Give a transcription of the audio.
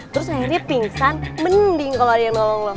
terus akhirnya pingsan mending kalo ada yang nolong lu